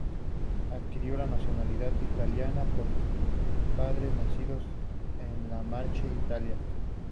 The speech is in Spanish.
Adquirió la nacionalidad italiana por sus padres nacidos en Le Marche, Italia.